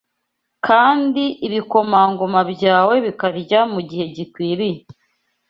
kandi ibikomangoma byawe bikarya mu gihe gikwiriye